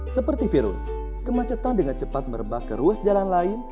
seperti virus kemacetan dengan cepat merebah ke ruas jalan lain